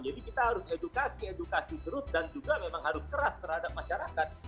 jadi kita harus edukasi edukasi terus dan juga memang harus keras terhadap masyarakat